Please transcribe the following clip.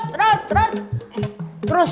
terus terus terus